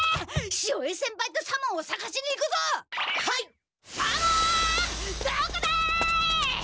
はい！